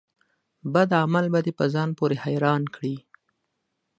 بد عمل به دي په ځان پوري حيران کړي